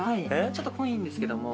ちょっと濃いんですけども。